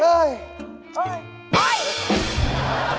เฮ้ย